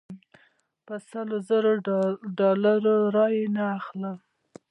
په سلو زرو ډالرو رایې نه اخلم.